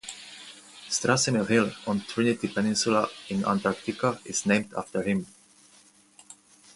Sratsimir Hill on Trinity Peninsula in Antarctica is named after him.